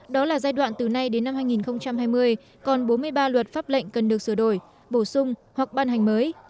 đó là giai đoạn từ nay đến năm hai nghìn hai mươi còn bốn mươi ba luật pháp lệnh cần được sửa đổi bổ sung hoặc ban hành mới